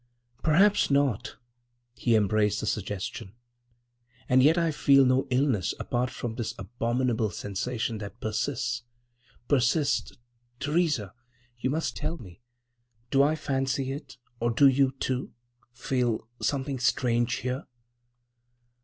"Perhaps not." He embraced the suggestion. "And yet I feel no illness apart from this abominable sensation that persists—persists.... Theresa, you must tell me: do I fancy it, or do you, too, feel—something—strange here?"